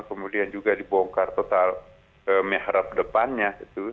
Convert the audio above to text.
kemudian juga dibongkar total mehrab depannya